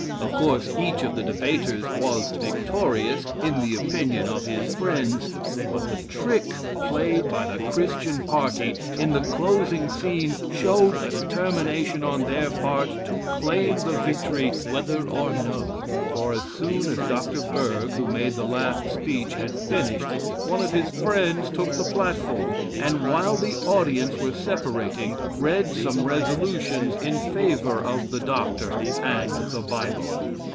Of course, each of the debaters was victorious, in the opinion of his friends; but the trick played by the Christian party, in the closing scene, showed a determination on their part to claim the victory whether or no! For, as soon as Dr. Berg (who made the last speech) had finished, one of his friends took the platform, and, while the audience were separating, read some resolutions in favor of the Doctor and the Bible.